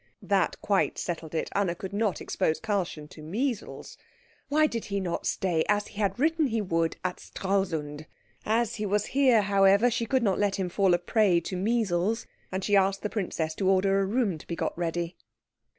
That quite settled it. Anna could not expose Karlchen to measles. Why did he not stay, as he had written he would, at Stralsund? As he was here, however, she could not let him fall a prey to measles, and she asked the princess to order a room to be got ready.